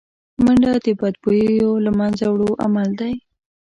منډه د بدبویو له منځه وړو عمل دی